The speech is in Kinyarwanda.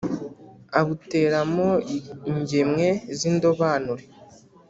abuteramo ingemwe z’indobanure.